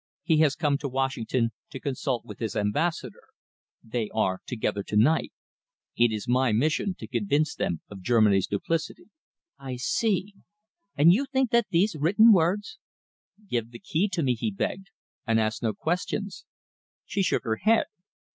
He has come to Washington to consult with his Ambassador. They are together tonight. It is my mission to convince them of Germany's duplicity." "I see.... And you think that these written words ?" "Give the key to me," he begged, "and ask no questions." She shook her head.